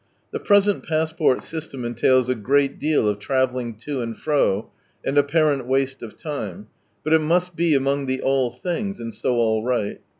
The present passport system entails a great deaJ of traveUing to and fro, and apparent waste of time, but it must be among the " All Things," and so all right.